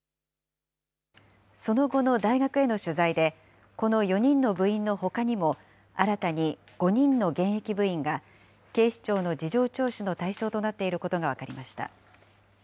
その後の大学への取材で、この４人の部員のほかにも新たに５人の現役部員が、警視庁の事情聴取の対象となっていることが分かりました。